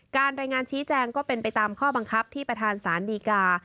รายงานชี้แจงก็เป็นไปตามข้อบังคับที่ประธานศาลดีกา